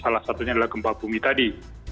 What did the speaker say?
salah satunya adalah gempa bumi tadi